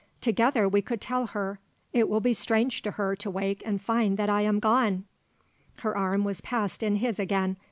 Together we could tell her. It will be strange to her to wake and find that I am gone." Her arm was passed in his again.